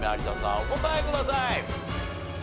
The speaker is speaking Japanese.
お答えください。